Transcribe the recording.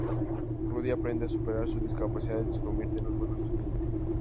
Rudy aprende a superar su discapacidad y se convierte en un mejor estudiante.